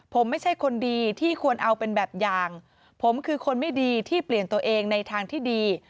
ผมไม่ใช่คนดีที่ควรเอาเป็นแบบอย่างผมคือคนไม่ดีที่เปลี่ยนตัวเองในทางที่ดี